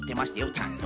ちゃんと。